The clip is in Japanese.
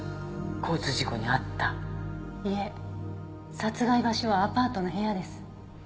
いえ殺害場所はアパートの部屋です。